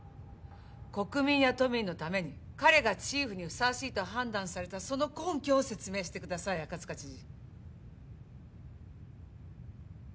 国民や都民のために彼がチーフにふさわしいと判断されたその根拠を説明してください赤塚知事